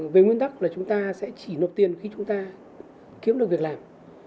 về nguyên tắc là chúng ta sẽ chỉ nộp tiền khi chúng ta kiếm được việc làm